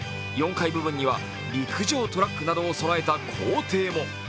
４階部分には陸上トラックなどを備えた校庭も。